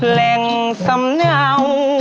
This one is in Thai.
แหล่งสำเนา